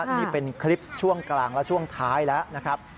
นี่เป็นคลิปช่วงกลางและช่วงท้ายแล้วนะครับ